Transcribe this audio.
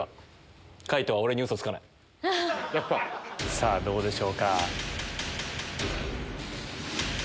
さぁどうでしょうか？